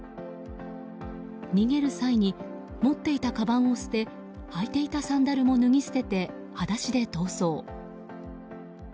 逃げる際に持っていたかばんを捨て履いていたサンダルも脱ぎ捨てて裸足で逃走。